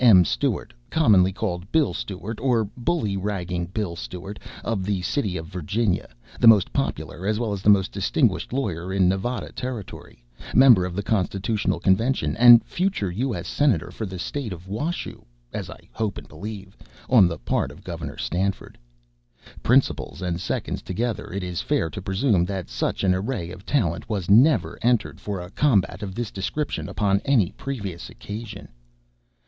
M. Stewart (commonly called "Bill Stewart," or "Bullyragging Bill Stewart"), of the city of Virginia, the most popular as well as the most distinguished lawyer in Nevada Territory, member of the Constitutional Convention, and future U. S. Senator for the state of Washoe, as I hope and believe on the part of Gov. Stanford. Principals and seconds together, it is fair to presume that such an array of talent was never entered for a combat of this description upon any previous occasion.